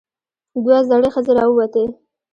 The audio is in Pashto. دوه زړې ښځې راووتې.